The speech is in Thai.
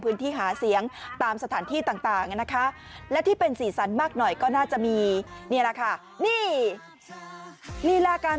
พื้นที่หาเสียงตามสถานที่ต่างนะคะและที่เป็นสีสันมากหน่อยก็น่าจะมีนี่แหละค่ะนี่ลีลาการ